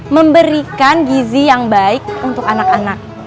memberikan gizi yang baik untuk anak anak